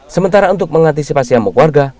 sementara untuk mengantisipasi amuk warga